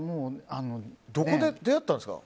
どこで出会ったんですか？